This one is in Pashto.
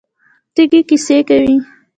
تیږې کیسې کوي.